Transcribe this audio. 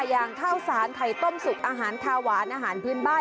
อย่างข้าวสารไข่ต้มสุกอาหารคาหวานอาหารพื้นบ้าน